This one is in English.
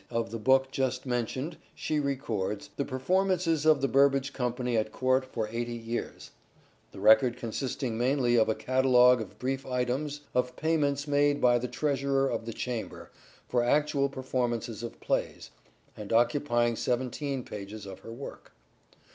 of the book just mentioned she records " The performances of the Burbage Company at Court for 80 years "; the record consisting mainly of a catalogue of brief items of payments made by the Treasurer of the Chamber for actual performances of plays, and occupying seventeen pages of her work.